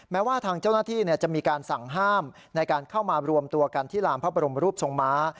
แม้ว่าทางเจ้าหน้าที่จะมีการสั่งห้ามในการเข้ามารวมตัวกันที่ลานพระบรมรูปทรงม้า